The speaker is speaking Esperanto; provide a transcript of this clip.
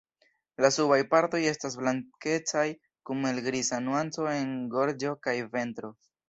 La subaj partoj estas blankecaj kun helgriza nuanco en gorĝo kaj ventro.